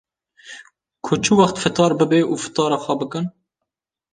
ku çi wextê fitar bibe û fitara xwe bikin.